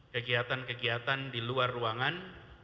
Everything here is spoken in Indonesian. kegiatan kegiatan di luar ruangan